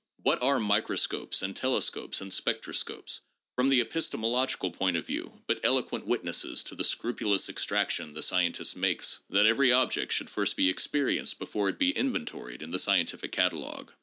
What are microscopes and telescopes and spectroscopes, from the epistemological point of view, but eloquent witnesses to the scrupulous exaction the scientist makes that every object should first be experienced before it be inven toried in the scientific catalogue